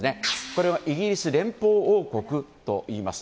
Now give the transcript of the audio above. これはイギリス連邦王国といいます。